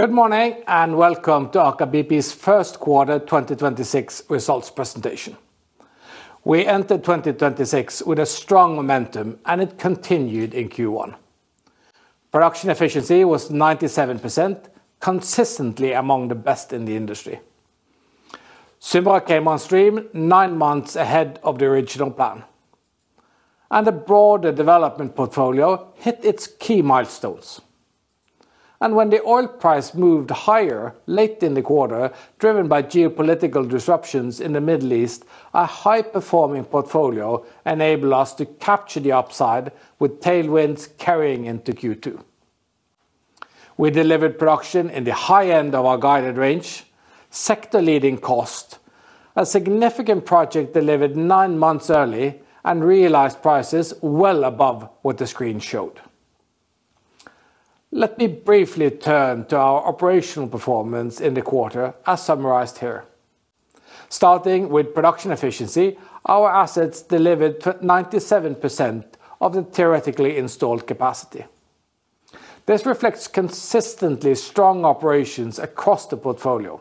Good morning, and welcome to Aker BP's first quarter 2026 results presentation. We entered 2026 with a strong momentum. It continued in Q1. Production efficiency was 97%, consistently among the best in the industry. Symra came on stream 9 months ahead of the original plan. The broader development portfolio hit its key milestones. When the oil price moved higher late in the quarter, driven by geopolitical disruptions in the Middle East, a high-performing portfolio enabled us to capture the upside with tailwinds carrying into Q2. We delivered production in the high end of our guided range, sector-leading cost, a significant project delivered 9 months early, and realized prices well above what the screen showed. Let me briefly turn to our operational performance in the quarter, as summarized here. Starting with production efficiency, our assets delivered 97% of the theoretically installed capacity. This reflects consistently strong operations across the portfolio.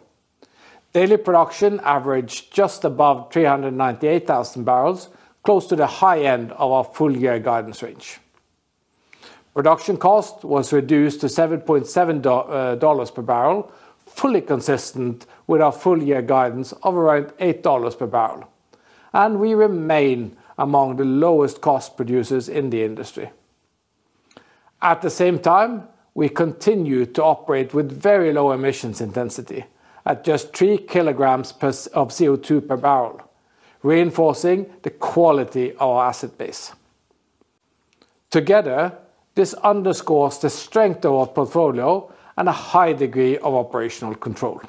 Daily production averaged just above 398,000 barrels, close to the high end of our full-year guidance range. Production cost was reduced to $7.7 per barrel, fully consistent with our full-year guidance of around $8 per barrel, and we remain among the lowest cost producers in the industry. At the same time, we continue to operate with very low emissions intensity at just 3 kg of CO2 per barrel, reinforcing the quality of our asset base. Together, this underscores the strength of our portfolio and a high degree of operational control.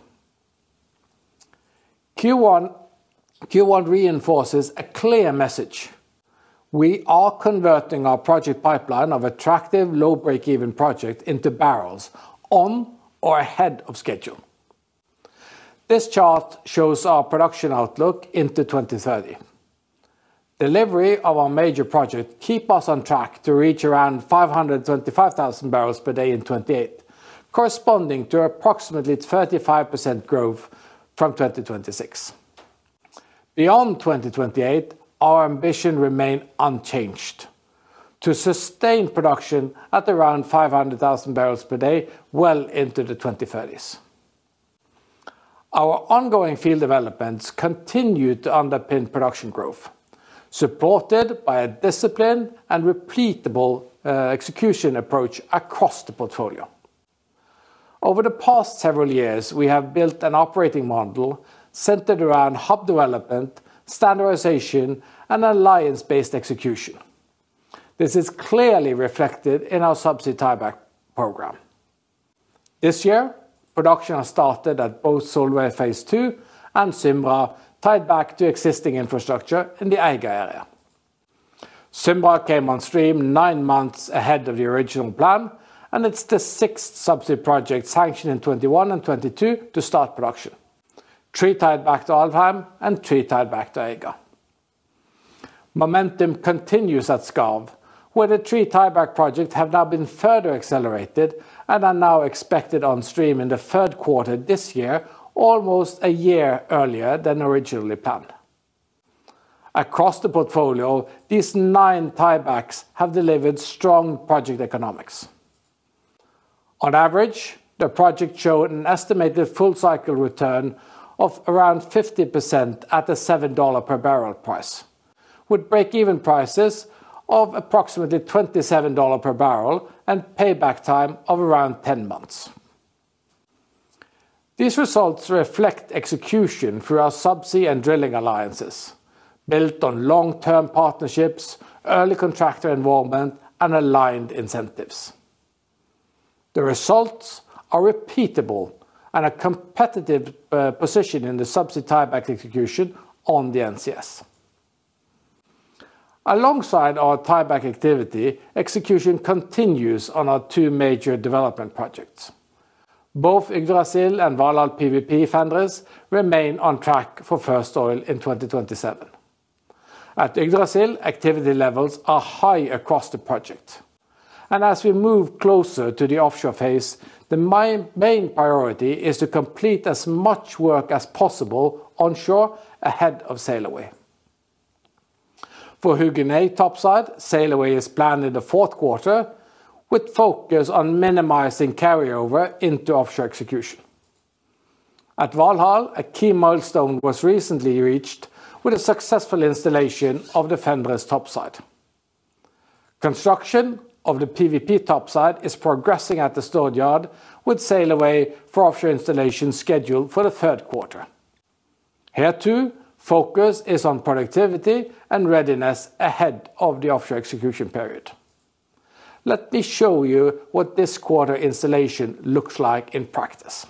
Q1 reinforces a clear message. We are converting our project pipeline of attractive low break-even project into barrels on or ahead of schedule. This chart shows our production outlook into 2030. Delivery of our major project keep us on track to reach around 525,000 barrels per day in 2028, corresponding to approximately 35% growth from 2026. Beyond 2028, our ambition remain unchanged, to sustain production at around 500,000 barrels per day well into the 2030s. Our ongoing field developments continued to underpin production growth, supported by a disciplined and repeatable execution approach across the portfolio. Over the past several years, we have built an operating model centered around hub development, standardization, and alliance-based execution. This is clearly reflected in our subsea tieback program. This year, production has started at both Solveig Phase 2 and Symra tied back to existing infrastructure in the Eiga area. Symra came on stream nine months ahead of the original plan, and it's the sixth subsea project sanctioned in 2021 and 2022 to start production, three tied back to Alvheim and three tied back to Eiga. Momentum continues at Skarv, where the three tieback projects have now been further accelerated and are now expected on stream in the 3rd quarter this year, almost 1 year earlier than originally planned. Across the portfolio, these nine tiebacks have delivered strong project economics. On average, the project showed an estimated full-cycle return of around 50% at a $7 per barrel price, with break-even prices of approximately $27 per barrel and payback time of around 10 months. These results reflect execution through our subsea and drilling alliances, built on long-term partnerships, early contractor involvement, and aligned incentives. The results are repeatable and a competitive position in the subsea tieback execution on the NCS. Alongside our tieback activity, execution continues on our two major development projects. Both Yggdrasil and Valhall PWP-Fenris remain on track for first oil in 2027. At Yggdrasil, activity levels are high across the project. As we move closer to the offshore phase, the main priority is to complete as much work as possible onshore ahead of sail away. For Hugin A topside, sail away is planned in the fourth quarter with focus on minimizing carryover into offshore execution. At Valhall, a key milestone was recently reached with a successful installation of the Fenris topside. Construction of the PWP topside is progressing at the Stord yard with sail away for offshore installation scheduled for the third quarter. Here too, focus is on productivity and readiness ahead of the offshore execution period. Let me show you what this quarter installation looks like in practice.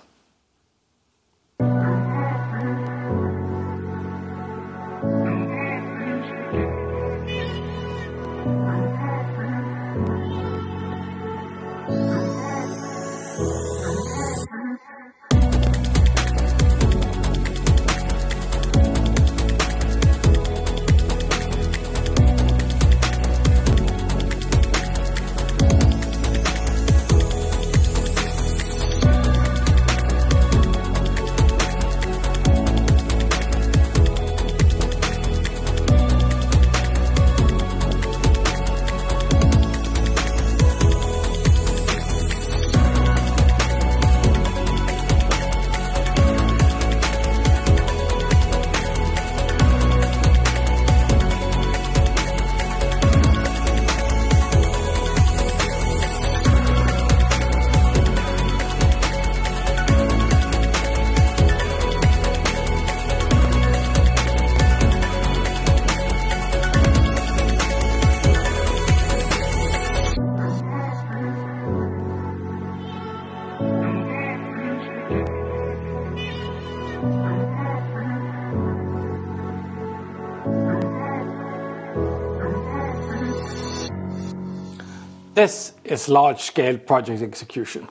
This is large-scale project execution.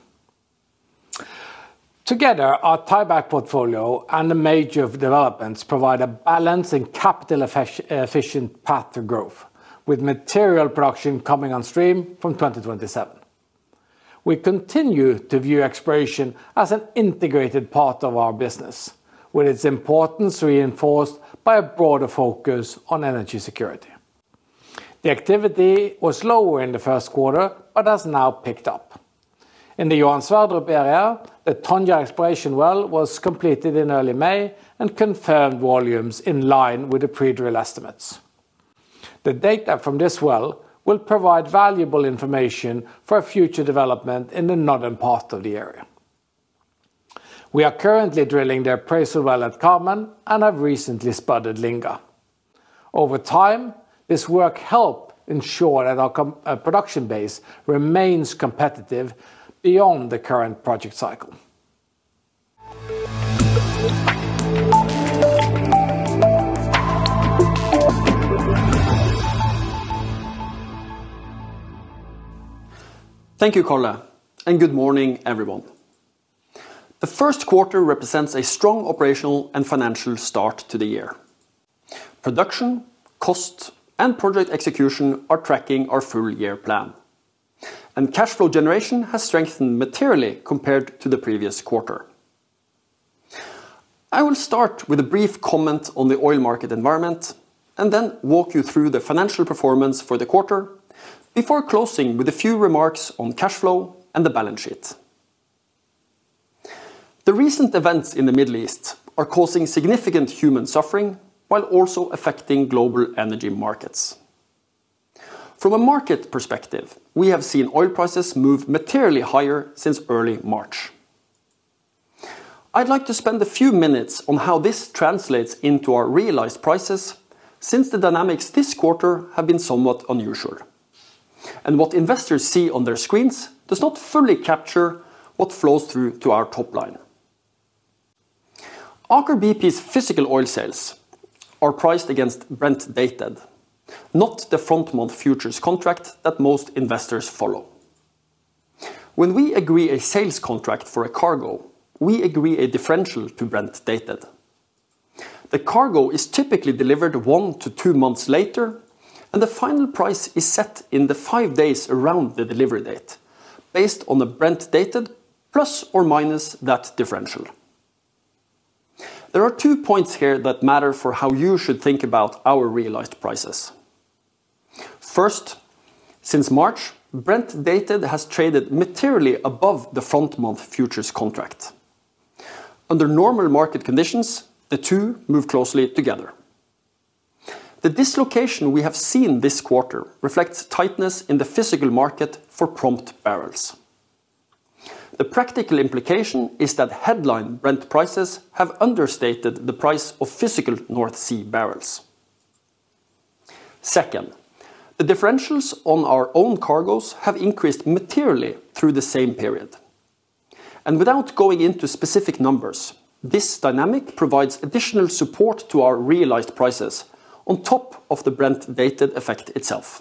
Together, our tieback portfolio and the major developments provide a balance and capital efficient path to growth, with material production coming on stream from 2027. We continue to view exploration as an integrated part of our business, with its importance reinforced by a broader focus on energy security. The activity was lower in the first quarter, but has now picked up. In the Johan Sverdrup area, the Tonje exploration well was completed in early May and confirmed volumes in line with the pre-drill estimates. The data from this well will provide valuable information for future development in the northern part of the area. We are currently drilling the appraisal well at Carmen and have recently spudded Linga. Over time, this work help ensure that our production base remains competitive beyond the current project cycle. Thank you, Karl. Good morning, everyone. The first quarter represents a strong operational and financial start to the year. Production, cost, and project execution are tracking our full-year plan, and cash flow generation has strengthened materially compared to the previous quarter. I will start with a brief comment on the oil market environment and then walk you through the financial performance for the quarter before closing with a few remarks on cash flow and the balance sheet. The recent events in the Middle East are causing significant human suffering while also affecting global energy markets. From a market perspective, we have seen oil prices move materially higher since early March. I'd like to spend a few minutes on how this translates into our realized prices since the dynamics this quarter have been somewhat unusual, and what investors see on their screens does not fully capture what flows through to our top line. Aker BP's physical oil sales are priced against Dated Brent, not the front-month futures contract that most investors follow. When we agree a sales contract for a cargo, we agree a differential to Dated Brent. The cargo is typically delivered 1-2 months later, and the final price is set in the 5 days around the delivery date based on the Dated Brent ± that differential. There are 2 points here that matter for how you should think about our realized prices. First, since March, Dated Brent has traded materially above the front-month futures contract. Under normal market conditions, the 2 move closely together. The dislocation we have seen this quarter reflects tightness in the physical market for prompt barrels. The practical implication is that headline Brent prices have understated the price of physical North Sea barrels. Second, the differentials on our own cargoes have increased materially through the same period. Without going into specific numbers, this dynamic provides additional support to our realized prices on top of the Dated Brent effect itself.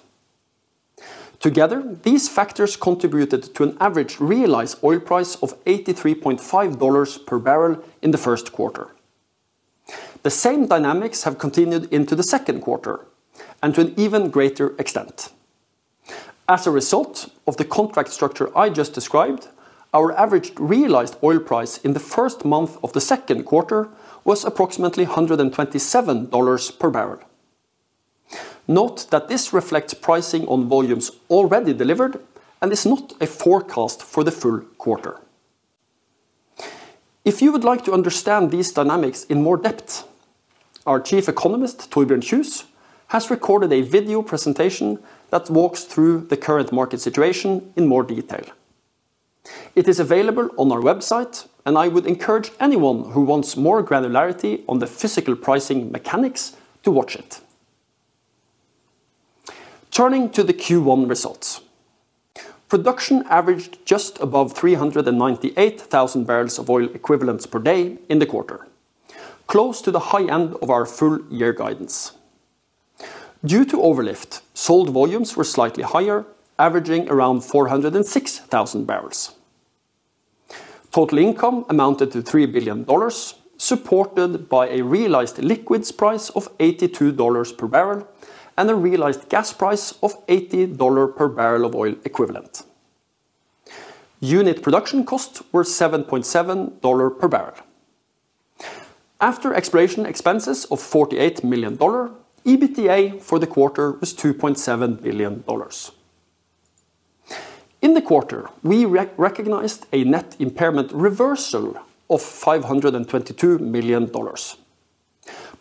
Together, these factors contributed to an average realized oil price of $83.5 per barrel in the 1st quarter. The same dynamics have continued into the 2nd quarter and to an even greater extent. As a result of the contract structure I just described, our average realized oil price in the 1st month of the 2nd quarter was approximately $127 per barrel. Note that this reflects pricing on volumes already delivered and is not a forecast for the full quarter. If you would like to understand these dynamics in more depth, our Chief Economist, Torbjørn Kjus, has recorded a video presentation that walks through the current market situation in more detail. It is available on our website, and I would encourage anyone who wants more granularity on the physical pricing mechanics to watch it. Turning to the Q1 results, production averaged just above 398,000 barrels of oil equivalents per day in the quarter, close to the high end of our full year guidance. Due to overlift, sold volumes were slightly higher, averaging around 406,000 barrels. Total income amounted to $3 billion, supported by a realized liquids price of $82 per barrel and a realized gas price of $80 per barrel of oil equivalent. Unit production costs were $7.7 per barrel. After exploration expenses of $48 million, EBITDA for the quarter was $2.7 billion. In the quarter, we recognized a net impairment reversal of $522 million,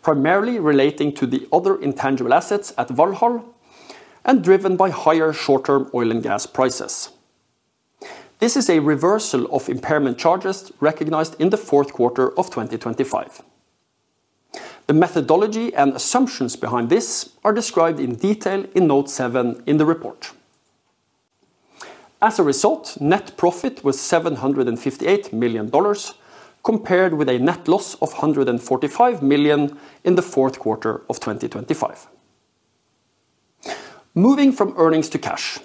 primarily relating to the other intangible assets at Valhall and driven by higher short-term oil and gas prices. This is a reversal of impairment charges recognized in the fourth quarter of 2025. The methodology and assumptions behind this are described in detail in note 7 in the report. As a result, net profit was $758 million compared with a net loss of $145 million in the fourth quarter of 2025. Moving from earnings to cash,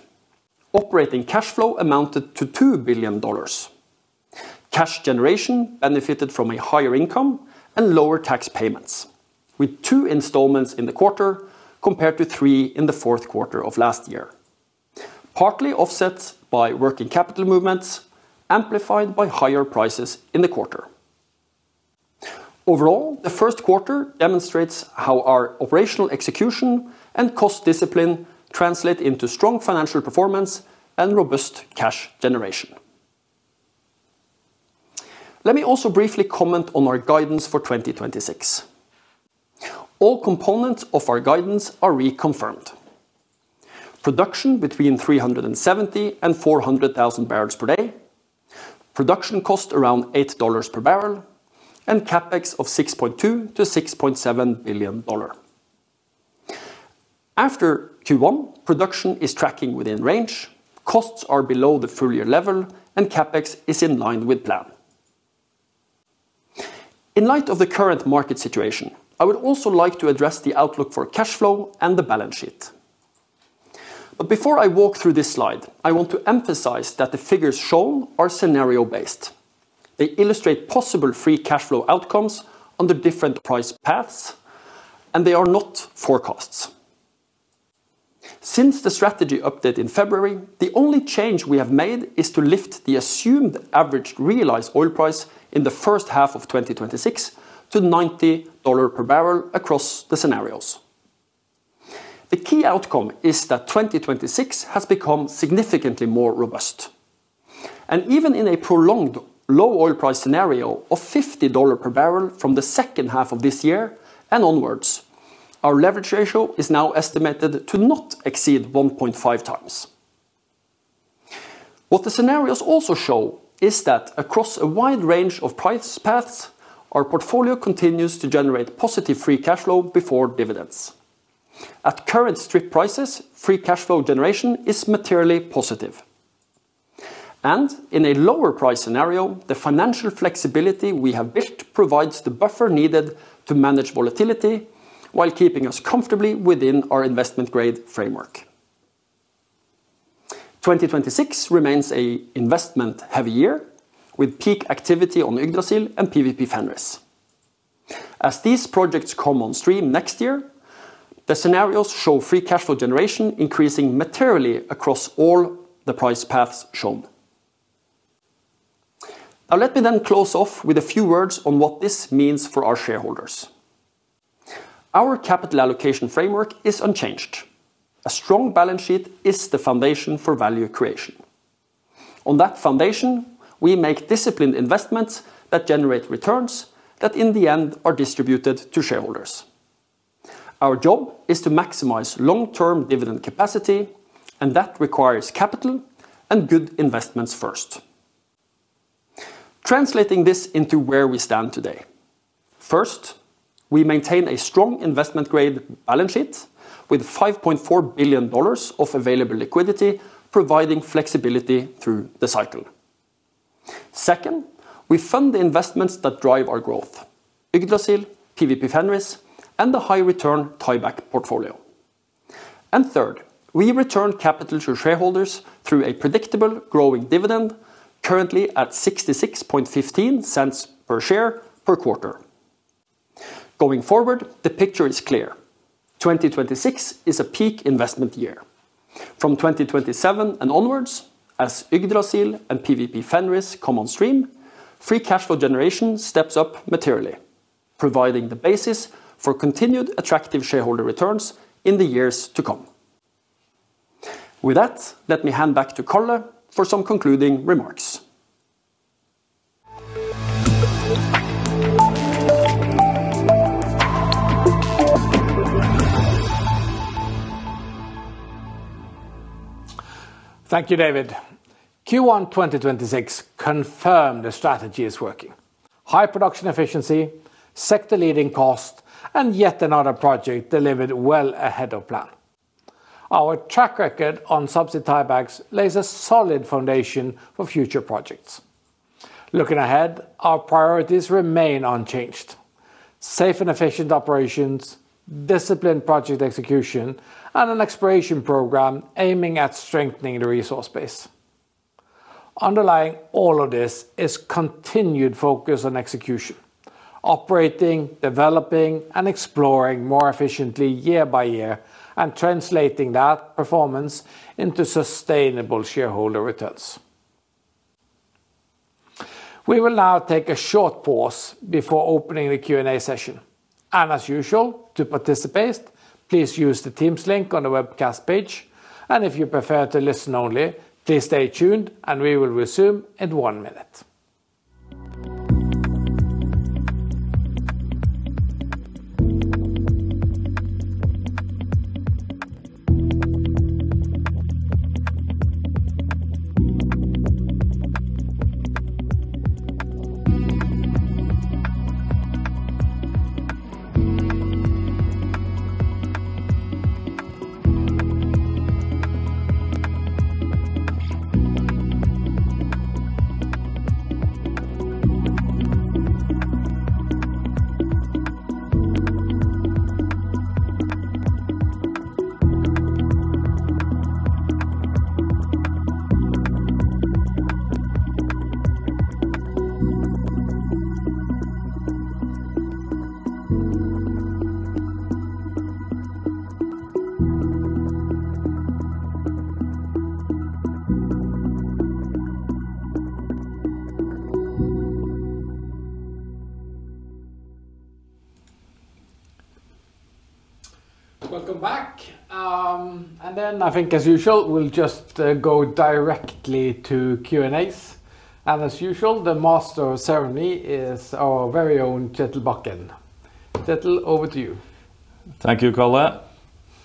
operating cash flow amounted to $2 billion. Cash generation benefited from a higher income and lower tax payments, with 2 installments in the quarter compared to 3 in the fourth quarter of last year, partly offset by working capital movements amplified by higher prices in the quarter. The first quarter demonstrates how our operational execution and cost discipline translate into strong financial performance and robust cash generation. Let me also briefly comment on our guidance for 2026. All components of our guidance are reconfirmed. Production between 370 and 400,000 barrels per day, production cost around $8 per barrel, and CapEx of $6.2 billion-$6.7 billion. After Q1, production is tracking within range, costs are below the full year level, and CapEx is in line with plan. In light of the current market situation, I would also like to address the outlook for cash flow and the balance sheet. Before I walk through this slide, I want to emphasize that the figures shown are scenario-based. They illustrate possible free cash flow outcomes under different price paths, and they are not forecasts. Since the strategy update in February, the only change we have made is to lift the assumed average realized oil price in the first half of 2026 to $90 per barrel across the scenarios. The key outcome is that 2026 has become significantly more robust, and even in a prolonged low oil price scenario of $50 per barrel from the second half of this year and onwards, our leverage ratio is now estimated to not exceed 1.5 times. What the scenarios also show is that across a wide range of price paths, our portfolio continues to generate positive free cash flow before dividends. At current strip prices, free cash flow generation is materially positive. In a lower price scenario, the financial flexibility we have built provides the buffer needed to manage volatility while keeping us comfortably within our investment-grade framework. 2026 remains a investment heavy year, with peak activity on Yggdrasil and NCP Fenris. As these projects come on stream next year, the scenarios show free cash flow generation increasing materially across all the price paths shown. Let me then close off with a few words on what this means for our shareholders. Our capital allocation framework is unchanged. A strong balance sheet is the foundation for value creation. On that foundation, we make disciplined investments that generate returns that, in the end, are distributed to shareholders. Our job is to maximize long-term dividend capacity, and that requires capital and good investments first. Translating this into where we stand today, first, we maintain a strong investment-grade balance sheet with $5.4 billion of available liquidity, providing flexibility through the cycle. Second, we fund the investments that drive our growth, Yggdrasil, NCP Fenris, and the high return tieback portfolio. Third, we return capital to shareholders through a predictable growing dividend, currently at $0.6615 per share per quarter. Going forward, the picture is clear. 2026 is a peak investment year. From 2027 and onwards, as Yggdrasil and NCP Fenris come on stream, free cash flow generation steps up materially, providing the basis for continued attractive shareholder returns in the years to come. With that, let me hand back to Karl for some concluding remarks. Thank you, David. Q1 2026 confirm the strategy is working. High production efficiency, sector-leading cost, and yet another project delivered well ahead of plan. Our track record on subsea tiebacks lays a solid foundation for future projects. Looking ahead, our priorities remain unchanged. Safe and efficient operations, disciplined project execution, and an exploration program aiming at strengthening the resource base. Underlying all of this is continued focus on execution, operating, developing, and exploring more efficiently year by year and translating that performance into sustainable shareholder returns. We will now take a short pause before opening the Q&A session. As usual, to participate, please use the Teams link on the webcast page. If you prefer to listen only, please stay tuned, and we will resume in 1 minute. Welcome back. I think, as usual, we'll just go directly to Q&As. As usual, the master of ceremony is our very own Kjetil Bakken. Kjetil, over to you. Thank you, Karl.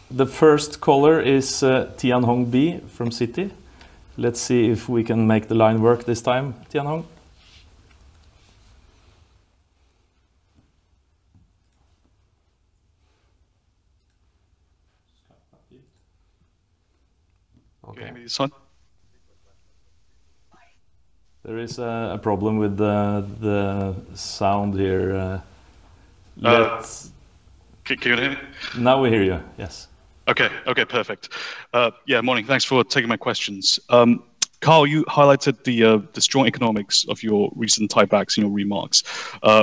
The first caller is Tianhong Bi from Citi. Let's see if we can make the line work this time, Tianhong. Okay. Can you hear me this one? There is a problem with the sound here. Uh- Yes. Can you hear me? Now we hear you, yes. Okay. Okay, perfect. Yeah, morning. Thanks for taking my questions. Karl, you highlighted the strong economics of your recent tiebacks in your remarks,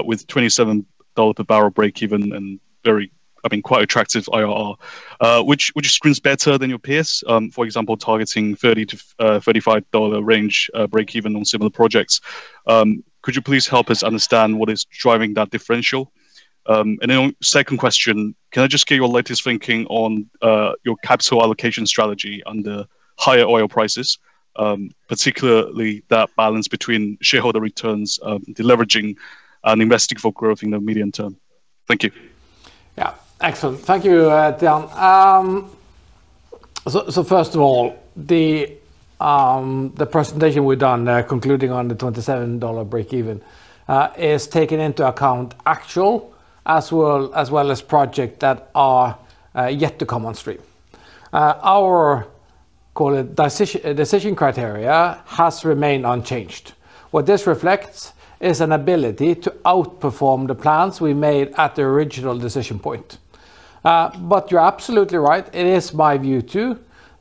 with $27 a barrel breakeven and very, I mean, quite attractive IRR, which screams better than your peers, for example, targeting $30-$35 range breakeven on similar projects. Could you please help us understand what is driving that differential? Then second question, can I just get your latest thinking on your capital allocation strategy under higher oil prices, particularly that balance between shareholder returns, deleveraging and investing for growth in the medium term? Thank you. Yeah, excellent. Thank you, Tian. First of all, the presentation we've done, concluding on the $27 breakeven, is taking into account actual as well, as well as project that are yet to come on stream. Our, call it, decision criteria has remained unchanged. What this reflects is an ability to outperform the plans we made at the original decision point. You're absolutely right. It is my view, too,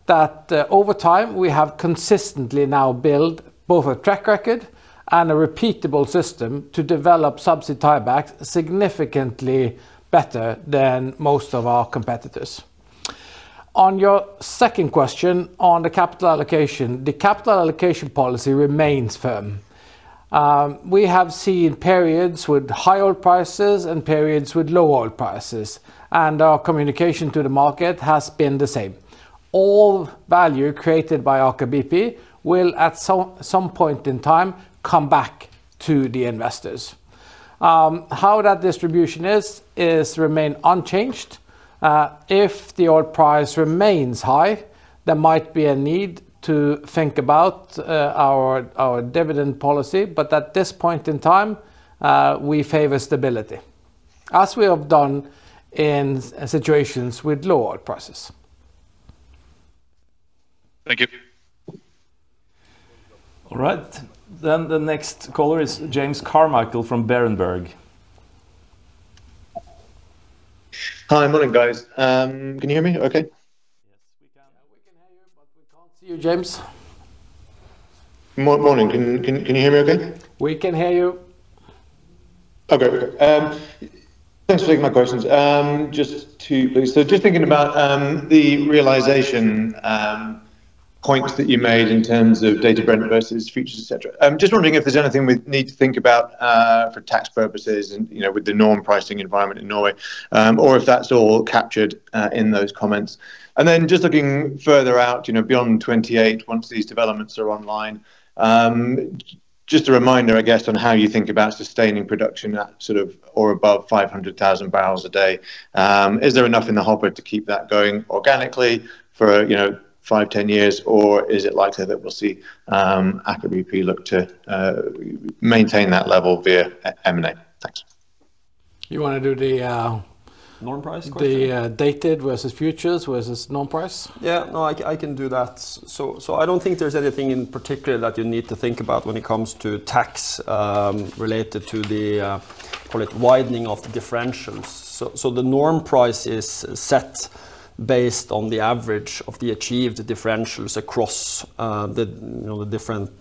that over time, we have consistently now built both a track record and a repeatable system to develop subsea tiebacks significantly better than most of our competitors. On your second question on the capital allocation, the capital allocation policy remains firm. We have seen periods with high oil prices and periods with low oil prices, our communication to the market has been the same. All value created by Aker BP will, at some point in time, come back to the investors. How that distribution is remain unchanged. If the oil price remains high, there might be a need to think about our dividend policy. At this point in time, we favor stability, as we have done in situations with low oil prices. Thank you. All right. The next caller is James Carmichael from Berenberg. Hi. Morning, guys. Can you hear me okay? Yes, we can. Yeah, we can hear you, but we can't see you, James. Morning. Can you hear me okay? We can hear you. Okay. Okay. Thanks for taking my questions. Just two please. Just thinking about the realization points that you made in terms of Dated Brent versus futures, et cetera. Just wondering if there's anything we need to think about for tax purposes and, you know, with the norm pricing environment in Norway, or if that's all captured in those comments. Just looking further out, you know, beyond 2028, once these developments are online, just a reminder, I guess, on how you think about sustaining production at sort of or above 500,000 barrels a day. Is there enough in the hopper to keep that going organically for, you know, 5, 10 years, or is it likely that we'll see Aker BP look to maintain that level via M&A? Thank you. You wanna do the. norm price question? The dated versus futures versus norm price. Yeah. No, I can do that. I don't think there's anything in particular that you need to think about when it comes to tax related to the call it widening of the differentials. The norm price is set based on the average of the achieved differentials across the, you know, the different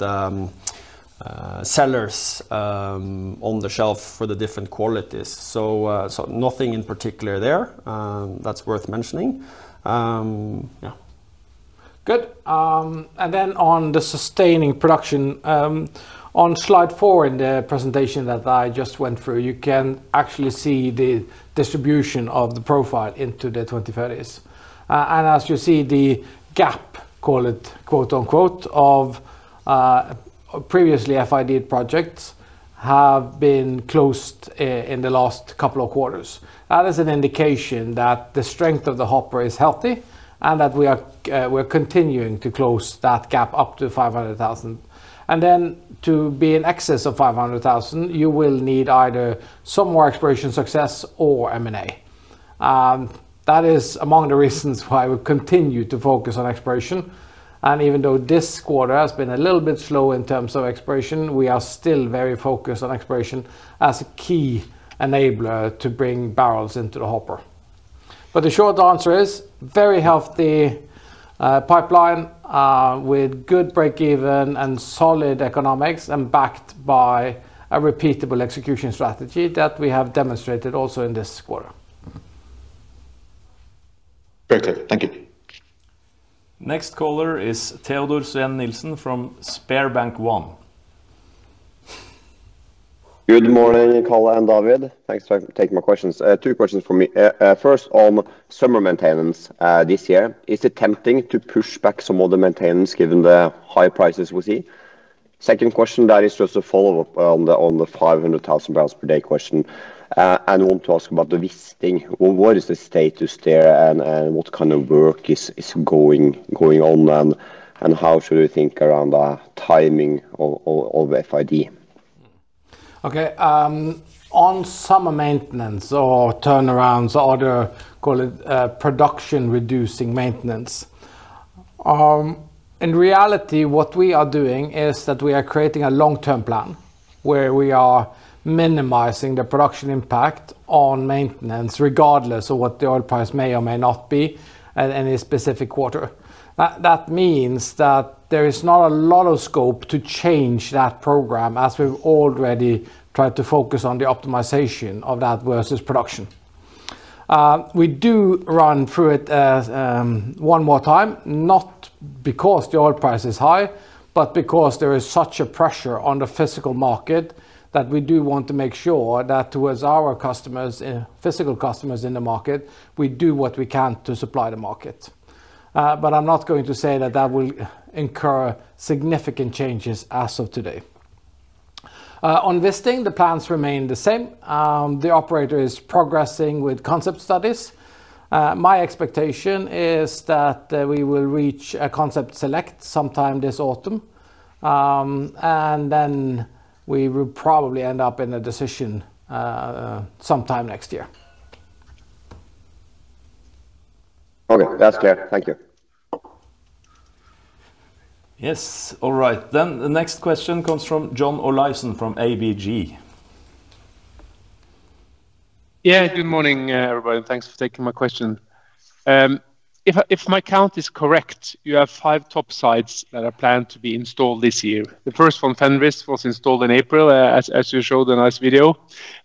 sellers on the shelf for the different qualities. Nothing in particular there that's worth mentioning. Yeah. Good. On the sustaining production, on slide 4 in the presentation that I just went through, you can actually see the distribution of the profile into the 2030s. As you see, the gap, call it, quote, unquote, of previously FID-ed projects have been closed in the last couple of quarters. That is an indication that the strength of the hopper is healthy and that we are continuing to close that gap up to 500,000. To be in excess of 500,000, you will need either some more exploration success or M&A. That is among the reasons why we continue to focus on exploration. Even though this quarter has been a little bit slow in terms of exploration, we are still very focused on exploration as a key enabler to bring barrels into the hopper. The short answer is very healthy, pipeline, with good break even and solid economics and backed by a repeatable execution strategy that we have demonstrated also in this quarter. Very clear. Thank you. Next caller is Teodor Sveen-Nilsen from SpareBank 1. Good morning, Kalle and David. Thanks for taking my questions. Two questions from me. First on summer maintenance this year. Is it tempting to push back some of the maintenance given the high prices we see? Second question that is just a follow-up on the 500,000 barrels per day question. I want to ask about the Wisting. What is the status there and what kind of work is going on then, and how should we think around the timing of FID? Okay. On summer maintenance or turnarounds or the, call it, production reducing maintenance, in reality what we are doing is that we are creating a long-term plan where we are minimizing the production impact on maintenance regardless of what the oil price may or may not be at any specific quarter. That means that there is not a lot of scope to change that program as we've already tried to focus on the optimization of that versus production. We do run through it as 1 more time not because the oil price is high but because there is such a pressure on the physical market that we do want to make sure that towards our customers, physical customers in the market, we do what we can to supply the market. I'm not going to say that that will incur significant changes as of today. On Wisting, the plans remain the same. The operator is progressing with concept studies. My expectation is that we will reach a concept select sometime this autumn. We will probably end up in a decision sometime next year. Okay, that's clear. Thank you. Yes. All right. The next question comes from John Olaisen from ABG. Good morning, everybody, thanks for taking my question. If my count is correct, you have 5 topsides that are planned to be installed this year. The first one, Fenris, was installed in April, as you showed in the last video.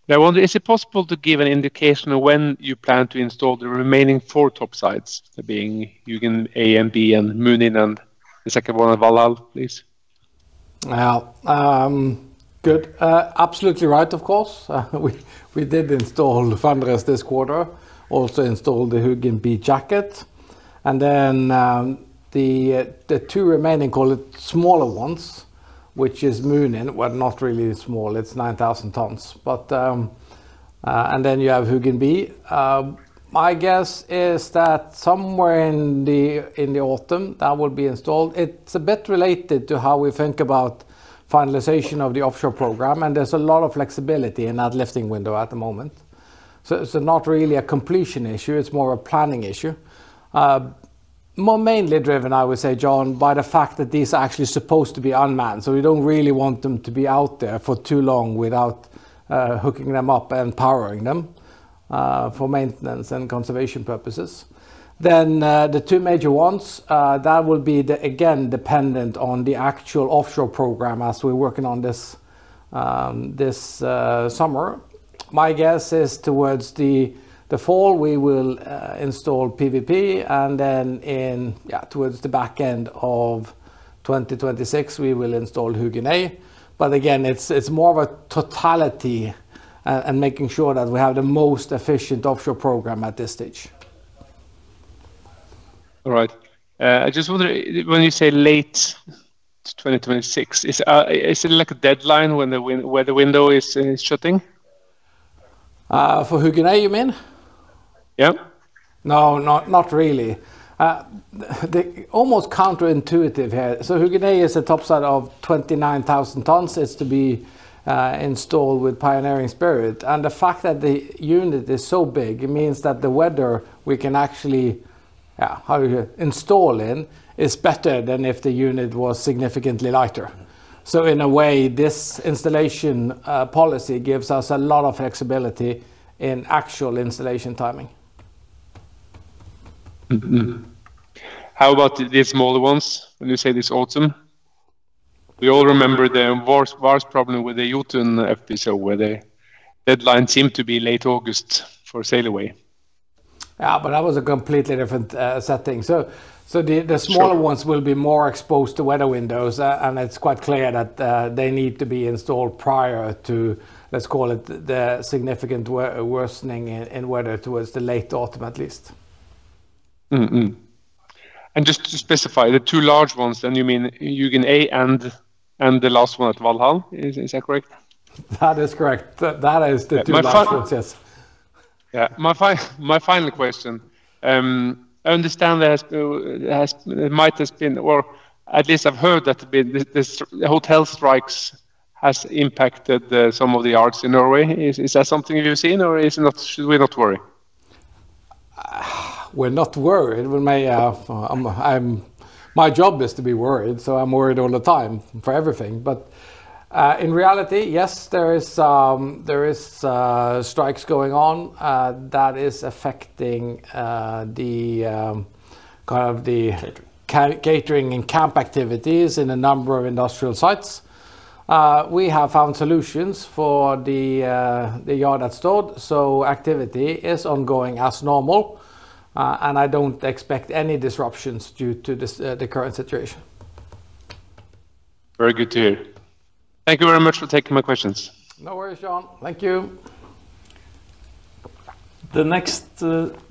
I wonder, is it possible to give an indication of when you plan to install the remaining 4 topsides, that being Hugin A and B and Munin and the second one of Valhall, please? Well, good. Absolutely right of course. We did install Fenris this quarter. Also installed the Hugin B jacket. The two remaining, call it, smaller ones, which is Munin. Well, not really small, it's 9,000 tons. You have Hugin B. My guess is that somewhere in the autumn that will be installed. It's a bit related to how we think about finalization of the offshore program, and there's a lot of flexibility in that lifting window at the moment. It's not really a completion issue, it's more a planning issue. More mainly driven, I would say, John, by the fact that these are actually supposed to be unmanned, so we don't really want them to be out there for too long without hooking them up and powering them for maintenance and conservation purposes. The two major ones that will be the, again, dependent on the actual offshore program as we're working on this summer. My guess is towards the fall we will install NCP and then in towards the back end of 2026 we will install Hugin A. Again, it's more of a totality and making sure that we have the most efficient offshore program at this stage. All right. I just wonder, when you say late to 2026, is it like a deadline where the window is shutting? For Hugin A, you mean? Yeah. No, not really. The almost counterintuitive here. Hugin A is a topside of 29,000 tons. It's to be installed with Pioneering Spirit. The fact that the unit is so big, it means that the weather we can actually, how do you say, install in is better than if the unit was significantly lighter. In a way, this installation policy gives us a lot of flexibility in actual installation timing. How about the smaller ones when you say this autumn? We all remember the Vars problem with the Jotun FPSO, where the deadline seemed to be late August for sail away. Yeah, but that was a completely different setting. The smaller ones will be more exposed to weather windows. It's quite clear that, they need to be installed prior to, let's call it, the significant worsening in weather towards the late autumn at least. Mm-hmm. Just to specify, the two large ones then you mean Hugin A and the last one at Valhall. Is that correct? That is correct. That is the 2 last ones. Yes. Yeah. My final question. I understand there has to, might have been, or at least I've heard that the hotel strikes has impacted some of the Aker in Norway. Is that something you've seen or is not? Should we not worry? We're not worried. We may have My job is to be worried, so I'm worried all the time for everything. In reality, yes, there is strikes going on that is affecting the. Catering catering and camp activities in a number of industrial sites. We have found solutions for the yard at Stord, so activity is ongoing as normal. I don't expect any disruptions due to this, the current situation. Very good to hear. Thank you very much for taking my questions. No worries, John. Thank you. The next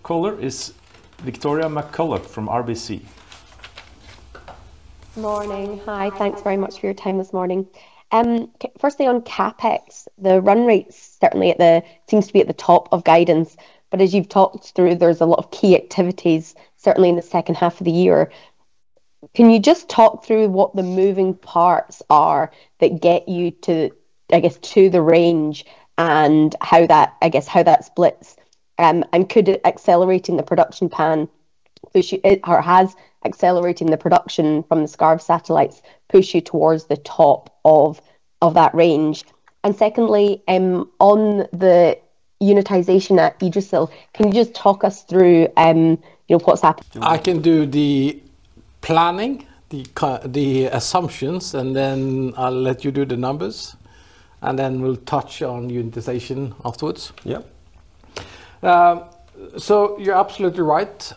caller is Victoria McCulloch from RBC. Morning. Hi, thanks very much for your time this morning. Firstly, on CapEx, the run rates certainly seems to be at the top of guidance, but as you've talked through, there's a lot of key activities, certainly in the second half of the year. Can you just talk through what the moving parts are that get you to, I guess, to the range and how that I guess, how that splits? Could it accelerating the production plan push you Or has accelerating the production from the Skarv satellites pushed you towards the top of that range? Secondly, on the unitization at Yggdrasil, can you just talk us through, you know, what's happening? I can do the planning, the assumptions. I'll let you do the numbers. We'll touch on unitization afterwards. Yeah. You're absolutely right.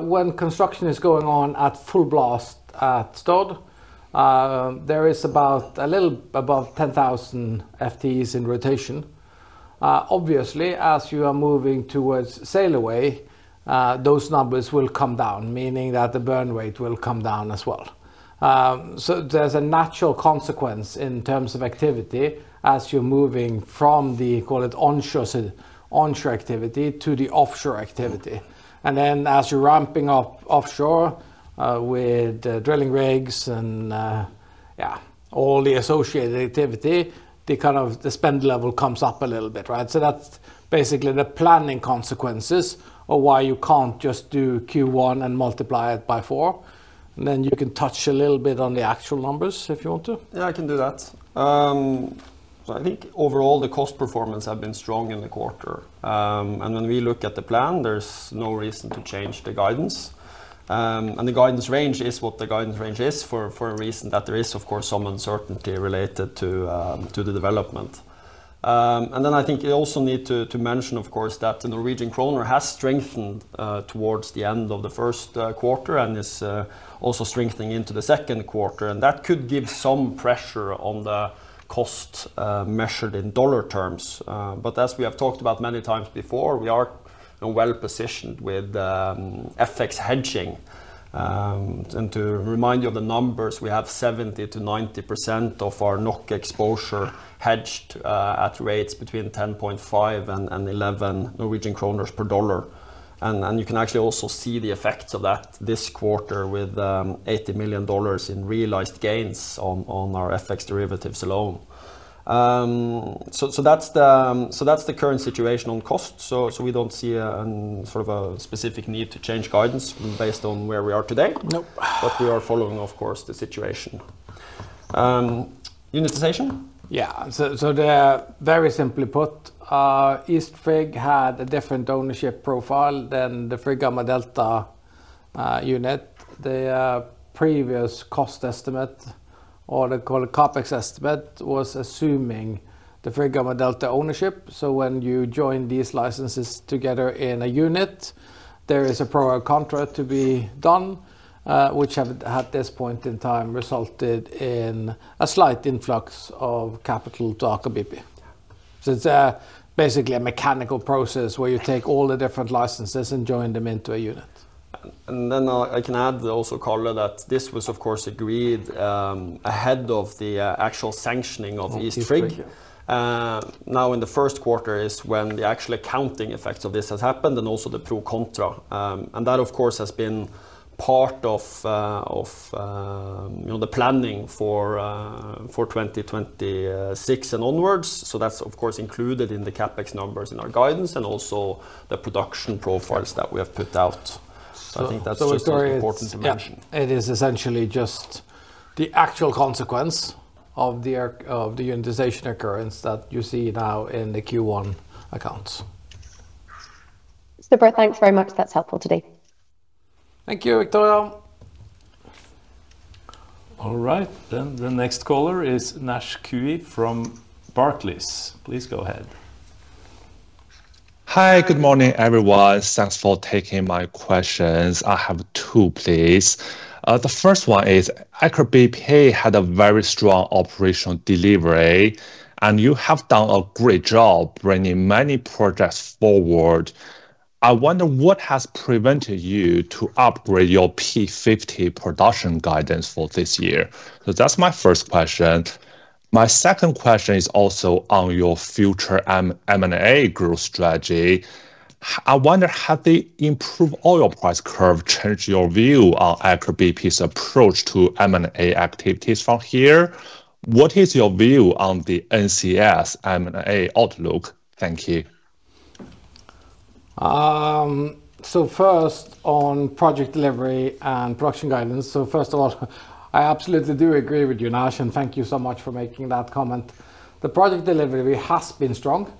When construction is going on at full blast at Stord, there is about a little above 10,000 FTEs in rotation. Obviously, as you are moving towards sail away, those numbers will come down, meaning that the burn rate will come down as well. There's a natural consequence in terms of activity as you're moving from the, call it, onshore activity to the offshore activity. As you're ramping up offshore, with drilling rigs and, yeah, all the associated activity, the kind of the spend level comes up a little bit, right? That's basically the planning consequences of why you can't just do Q1 and multiply it by 4. You can touch a little bit on the actual numbers if you want to. Yeah, I can do that. I think overall the cost performance have been strong in the quarter. When we look at the plan, there's no reason to change the guidance. The guidance range is what the guidance range is for a reason that there is of course some uncertainty related to the development. I think you also need to mention, of course, that the Norwegian kroner has strengthened towards the end of the first quarter and is also strengthening into the second quarter. That could give some pressure on the cost measured in dollar terms. As we have talked about many times before, we are well-positioned with FX hedging. To remind you of the numbers, we have 70% to 90% of our NOK exposure hedged at rates between 10.5 and 11 Norwegian kroner per dollar. You can actually also see the effects of that this quarter with $80 million in realized gains on our FX derivatives alone. That's the current situation on cost. We don't see a specific need to change guidance based on where we are today. No. We are following, of course, the situation. Unitization? Yeah. The, very simply put, East Frigg had a different ownership profile than the Frigg Gamma Delta unit. The previous cost estimate or the call it CapEx estimate was assuming the Frigg Gamma Delta ownership. When you join these licenses together in a unit, there is a pro rata contract to be done, which have at this point in time resulted in a slight influx of capital to Aker BP. It's basically a mechanical process where you take all the different licenses and join them into a unit. I can add also, Karl, that this was of course agreed ahead of the actual sanctioning of East Frigg. Now in the first quarter is when the actual accounting effects of this has happened, and also the pro contra. That of course has been part of, you know, the planning for 2026 and onwards. That's of course included in the CapEx numbers in our guidance, and also the production profiles that we have put out. I think that's just an important dimension. The story is. Yeah. It is essentially just the actual consequence of the unitization occurrence that you see now in the Q1 accounts. Super. Thanks very much. That's helpful today. Thank you, Victoria. All right, the next caller is Naisheng Cui from Barclays. Please go ahead. Hi. Good morning, everyone. Thanks for taking my questions. I have two, please. The first one is Aker BP had a very strong operational delivery, and you have done a great job bringing many projects forward. I wonder what has prevented you to upgrade your P50 production guidance for this year? That's my first question. My second question is also on your future M&A growth strategy. I wonder, have the improved oil price curve changed your view on Aker BP's approach to M&A activities from here? What is your view on the NCS M&A outlook? Thank you. First on project delivery and production guidance. First of all, I absolutely do agree with you, Naisheng Cui, and thank you so much for making that comment. The project delivery has been strong,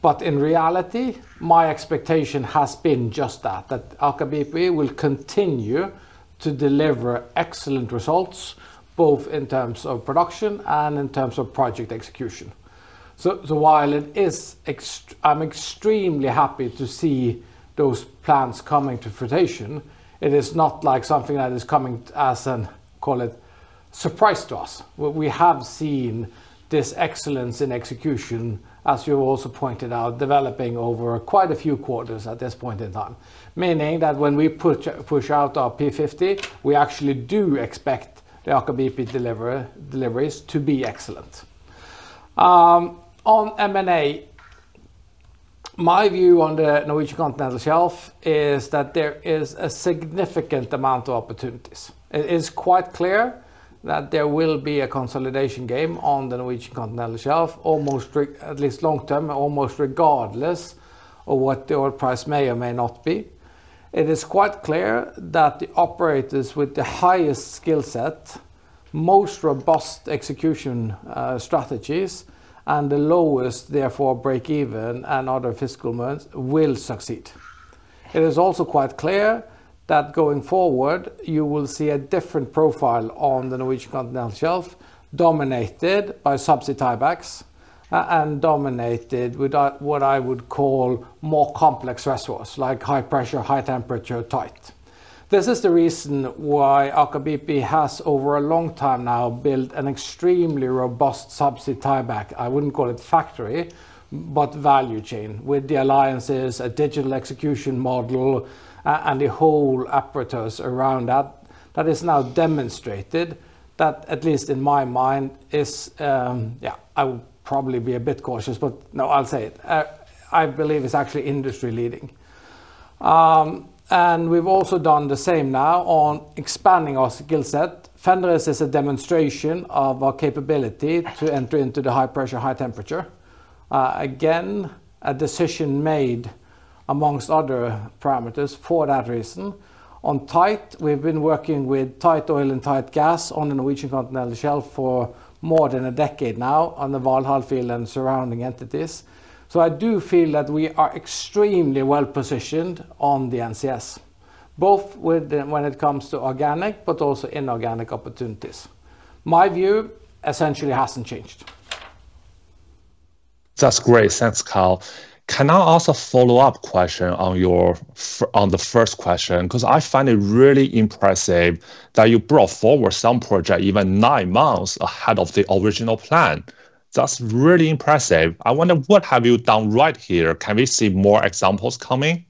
but in reality, my expectation has been just that Aker BP will continue to deliver excellent results, both in terms of production and in terms of project execution. While I'm extremely happy to see those plans coming to fruition, it is not like something that is coming as an, call it, surprise to us. We have seen this excellence in execution, as you also pointed out, developing over quite a few quarters at this point in time, meaning that when we push out our P50, we actually do expect the Aker BP deliveries to be excellent. On M&A, my view on the Norwegian Continental Shelf is that there is a significant amount of opportunities. It is quite clear that there will be a consolidation game on the Norwegian Continental Shelf almost at least long term, almost regardless of what the oil price may or may not be. It is quite clear that the operators with the highest skill set, most robust execution, strategies, and the lowest therefore breakeven and other fiscal measures will succeed. It is also quite clear that going forward you will see a different profile on the Norwegian Continental Shelf dominated by subsea tiebacks and dominated with what I would call more complex resources like high pressure, high temperature tight. This is the reason why Aker BP has over a long time now built an extremely robust subsea tieback. I wouldn't call it factory, but value chain with the alliances, a digital execution model, and the whole apparatus around that is now demonstrated that at least in my mind is. Yeah, I would probably be a bit cautious, but no, I'll say it. I believe it's actually industry leading. We've also done the same now on expanding our skill set. Fenris is a demonstration of our capability to enter into the high pressure, high temperature. Again, a decision made amongst other parameters for that reason. On tight, we've been working with tight oil and tight gas on the Norwegian Continental Shelf for more than a decade now on the Valhall field and surrounding entities. I do feel that we are extremely well-positioned on the NCS, both with, when it comes to organic but also inorganic opportunities. My view essentially hasn't changed. That's great. Thanks, Karl. Can I ask a follow-up question on your on the first question? I find it really impressive that you brought forward some project even nine months ahead of the original plan. That's really impressive. I wonder what have you done right here? Can we see more examples coming?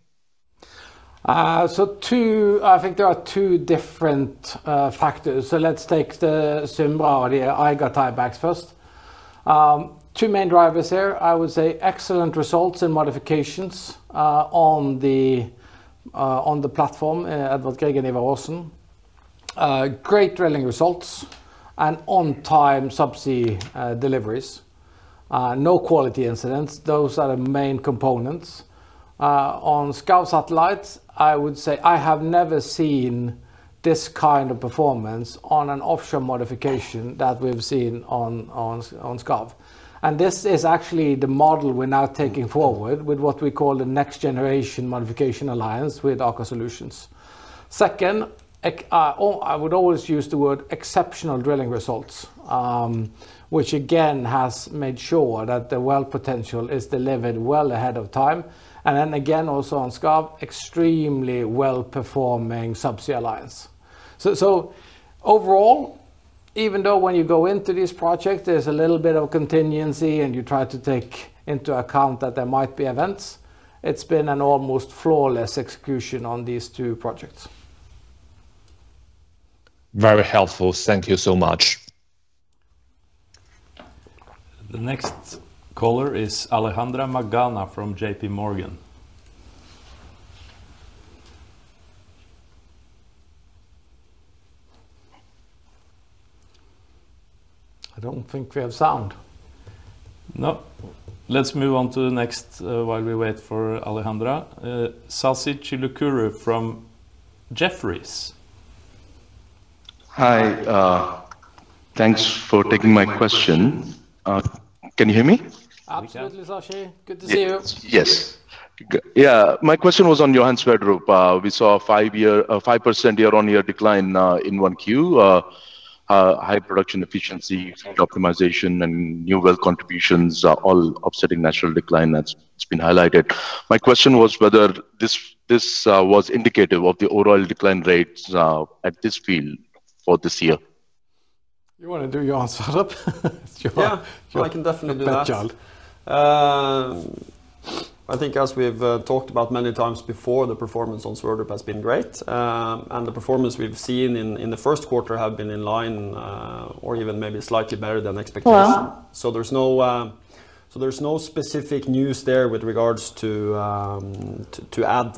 I think there are two different factors. Let's take the Symra or the Eiga tiebacks first. Two main drivers here. I would say excellent results and modifications on the platform at Edvard Grieg and Ivar Aasen. Great drilling results and on time subsea deliveries. No quality incidents. Those are the main components. On Skarv satellites, I would say I have never seen this kind of performance on an offshore modification that we've seen on Skarv. This is actually the model we're now taking forward with what we call the next generation modification alliance with Aker Solutions. Second, I would always use the word exceptional drilling results, which again, has made sure that the well potential is delivered well ahead of time. Then again, also on Skarv, extremely well-performing subsea alliance. Overall, even though when you go into this project there's a little bit of contingency and you try to take into account that there might be events, it's been an almost flawless execution on these 2 projects. Very helpful. Thank you so much. The next caller is Alejandra Magana from JPMorgan. I don't think we have sound. No. Let's move on to the next, while we wait for Alejandra. Sashi Chilukuri from Jefferies. Hi. Thanks for taking my question. Can you hear me? Absolutely, Sashi. Good to see you. Yes. yeah, my question was on Johan Sverdrup. We saw a 5% year-on-year decline in 1Q. High production efficiency, optimization and new well contributions are all offsetting natural decline that's been highlighted. My question was whether this was indicative of the overall decline rates at this field for this year. You wanna do Johan Sverdrup? Yeah. Sure. I can definitely do that. Go ahead, Charles. I think as we've talked about many times before, the performance on Sverdrup has been great. The performance we've seen in the first quarter have been in line, or even maybe slightly better than expectation. Yeah. There's no specific news there with regards to add.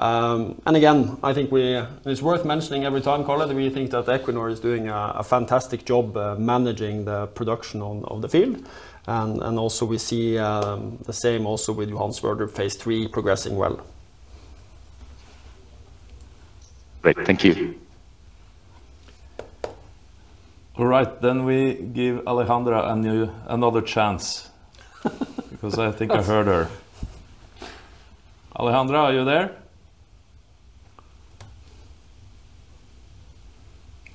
Again, I think it's worth mentioning every time, Karl, that we think that Equinor is doing a fantastic job, managing the production of the field. Also we see, the same also with Johan Sverdrup phase three progressing well. Great. Thank you. All right, we give Alejandra another chance because I think I heard her. Alejandra, are you there?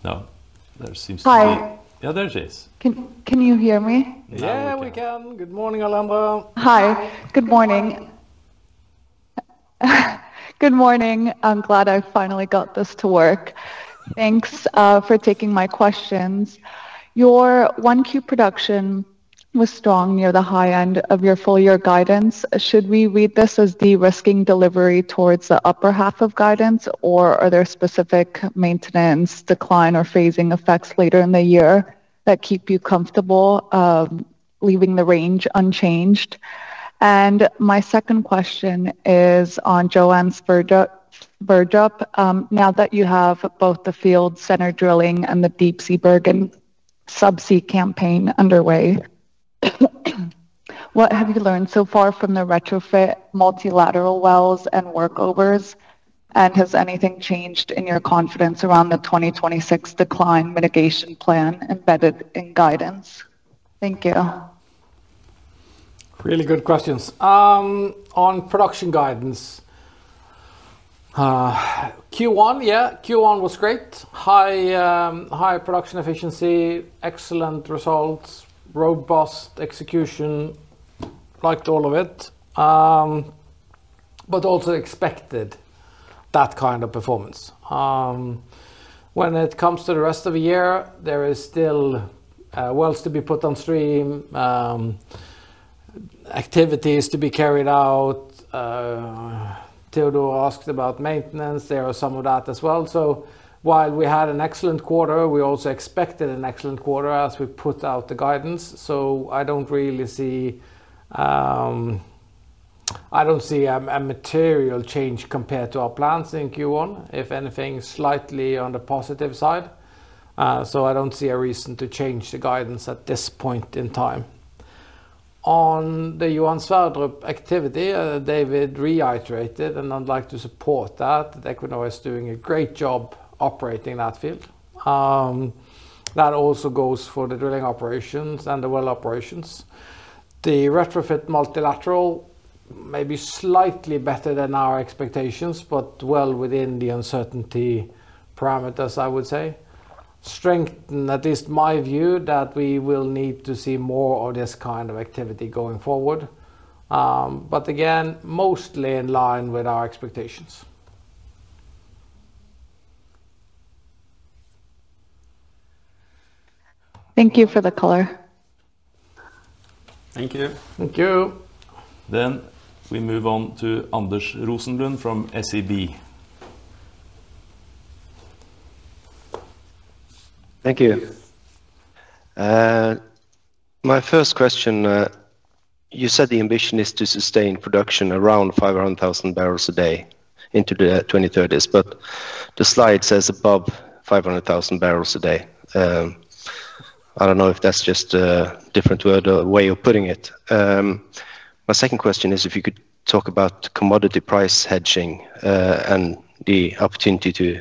No, there seems to be. Hi. Yeah, there she is. Can you hear me? Yeah, we can. Yeah, we can. Good morning, Alejandra. Hi. Good morning. Good morning. I'm glad I finally got this to work. Thanks for taking my questions. Your 1Q production was strong near the high end of your full year guidance. Should we read this as de-risking delivery towards the upper half of guidance or are there specific maintenance decline or phasing effects later in the year that keep you comfortable leaving the range unchanged? My second question is on Johan Sverdrup. Now that you have both the field center drilling and the Deepsea Bergen subsea campaign underway, what have you learned so far from the retrofit multilateral wells and workovers, and has anything changed in your confidence around the 2026 decline mitigation plan embedded in guidance? Thank you. Really good questions. On production guidance, Q1 was great. High production efficiency, excellent results, robust execution. Liked all of it. Also expected that kind of performance. When it comes to the rest of the year, there is still wells to be put on stream, activities to be carried out. Teodor Sveen-Nilsen asked about maintenance, there are some of that as well. While we had an excellent quarter, we also expected an excellent quarter as we put out the guidance. I don't really see a material change compared to our plans in Q1. If anything, slightly on the positive side. I don't see a reason to change the guidance at this point in time. On the Johan Sverdrup activity, David reiterated, and I'd like to support that Equinor is doing a great job operating that field. That also goes for the drilling operations and the well operations. The retrofit multilateral may be slightly better than our expectations, but well within the uncertainty parameters, I would say. Strengthen, at least my view, that we will need to see more of this kind of activity going forward. Again, mostly in line with our expectations. Thank you for the color. Thank you. Thank you. We move on to Anders Rosenlund from SEB. Thank you. My first question, you said the ambition is to sustain production around 500,000 barrels a day into the 2030s, but the slide says above 500,000 barrels a day. I don't know if that's just a different word or way of putting it. My second question is if you could talk about commodity price hedging, and the opportunity to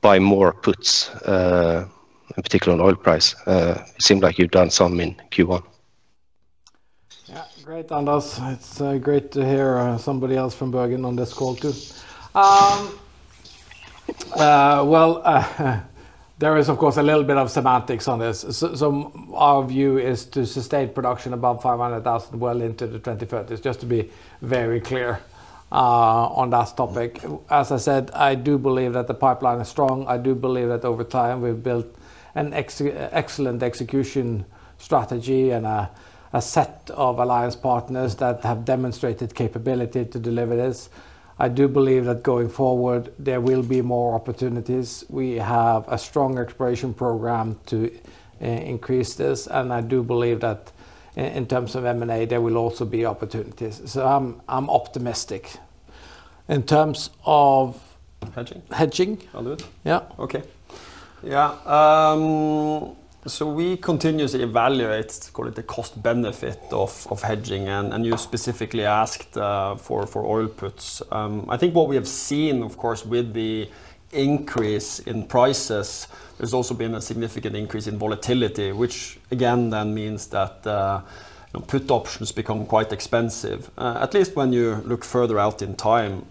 buy more puts, in particular on oil price. It seemed like you've done some in Q1. Great, Anders. It's great to hear somebody else from Bergen on this call too. Well, there is of course a little bit of semantics on this. Our view is to sustain production above 500,000 well into the 2030s, just to be very clear. On that topic, as I said, I do believe that the pipeline is strong. I do believe that over time we've built an excellent execution strategy and a set of alliance partners that have demonstrated capability to deliver this. I do believe that going forward there will be more opportunities. We have a strong exploration program to increase this, and I do believe that in terms of M&A there will also be opportunities. I'm optimistic. Hedging? Hedging. I'll do it. Yeah. Okay. Yeah. We continuously evaluate, call it the cost benefit of hedging, and you specifically asked for oil puts. I think what we have seen, of course, with the increase in prices, there has also been a significant increase in volatility, which again then means that put options become quite expensive. At least when you look further out in time.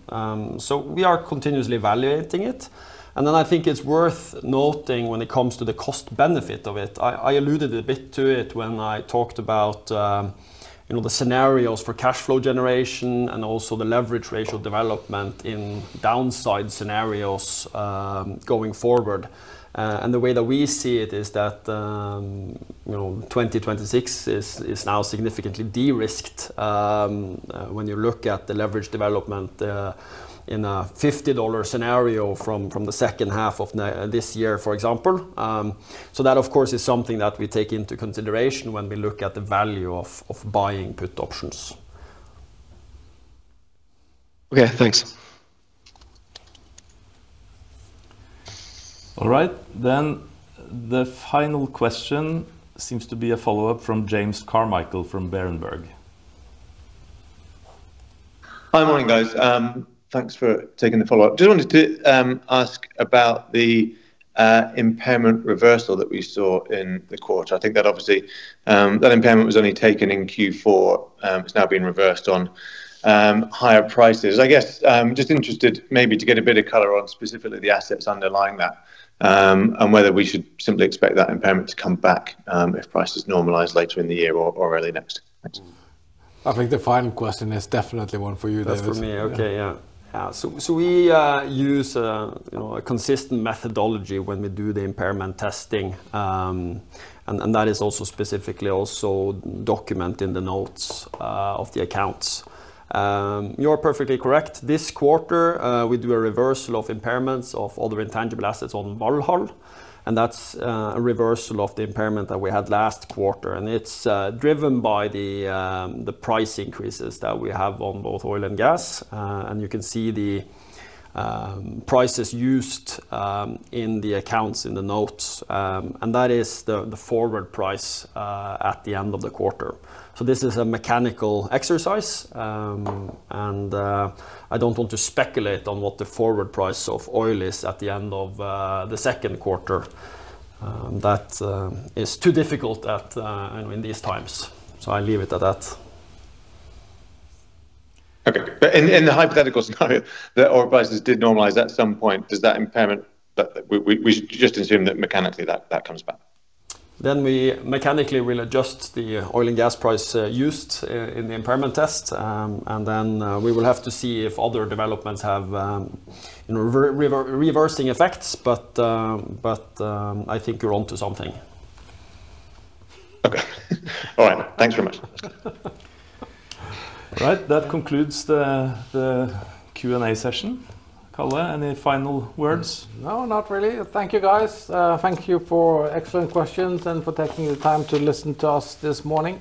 We are continuously evaluating it, and then I think it is worth noting when it comes to the cost benefit of it, I alluded a bit to it when I talked about, you know, the scenarios for cashflow generation and also the leverage ratio development in downside scenarios going forward. The way that we see it is that, you know, 2026 is now significantly de-risked, when you look at the leverage development, in a $50 scenario from the second half of this year, for example. That of course is something that we take into consideration when we look at the value of buying put options. Okay, thanks. All right, the final question seems to be a follow-up from James Carmichael from Berenberg. Hi, morning, guys. Thanks for taking the follow-up. Just wanted to ask about the impairment reversal that we saw in the quarter. I think that obviously, that impairment was only taken in Q4, it's now been reversed on higher prices. I guess, I'm just interested maybe to get a bit of color on specifically the assets underlying that, and whether we should simply expect that impairment to come back, if prices normalize later in the year or early next. Thanks. I think the final question is definitely one for you, David. That's for me. Yeah. Okay, yeah. Yeah. We use, you know, a consistent methodology when we do the impairment testing, and that is also specifically also document in the notes of the accounts. You're perfectly correct. This quarter, we do a reversal of impairments of all the intangible assets on Valhall, and that's a reversal of the impairment that we had last quarter. It's driven by the price increases that we have on both oil and gas. You can see the prices used in the accounts in the notes. That is the forward price at the end of the quarter. This is a mechanical exercise, I don't want to speculate on what the forward price of oil is at the end of the second quarter. That is too difficult at, you know, in these times. I leave it at that. Okay. In the hypothetical scenario, the oil prices did normalize at some point, does that impairment, that we just assume that mechanically that comes back? We mechanically will adjust the oil and gas price used in the impairment test. We will have to see if other developments have, you know, reversing effects. I think you're onto something. Okay. All right. Thanks very much. Right. That concludes the Q&A session. Karl, any final words? No, not really. Thank you, guys. Thank you for excellent questions and for taking the time to listen to us this morning.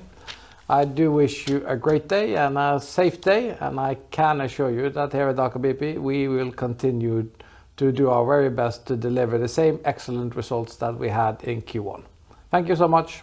I do wish you a great day and a safe day, and I can assure you that here at Aker BP, we will continue to do our very best to deliver the same excellent results that we had in Q1. Thank you so much.